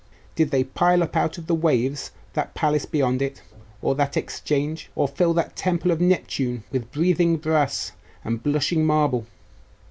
Did they pile up out of the waves that palace beyond it, or that Exchange? or fill that Temple of Neptune with breathing brass and blushing marble?